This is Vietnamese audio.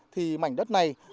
thì mảnh đất này